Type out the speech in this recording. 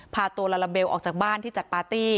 พาตัวลาลาเบลออกจากบ้านที่จัดปาร์ตี้